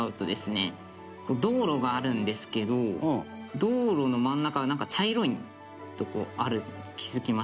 道路があるんですけど道路の真ん中がなんか茶色いとこあるの気付きませんかね？